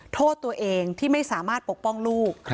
โทษตัวเองที่ไม่สามารถปกป้องลูก